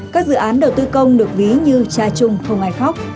các dự án đầu tư công được ví như cha trung không ai khóc